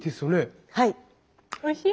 はい。